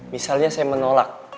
misalnya saya menolak